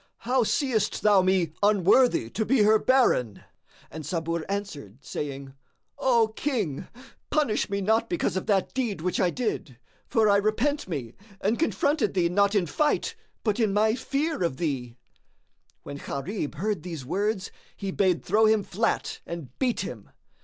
How seest thou me unworthy to be her baron?" And Sabur answered, saying, "O King, punish me not because of that deed which I did; for I repent me and confronted thee not in fight but in my fear of thee."[FN#64] When Gharib heard these words he bade throw him flat and beat him.